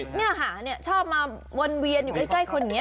แล้วก็ชอบมาวนเวียนอยู่ใกล้คนอย่างนี้